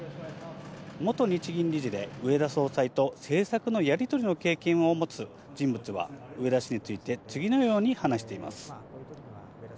元日銀理事で、植田総裁と政策のやり取りの経験を持つ人物は、植田氏について次のように話しています。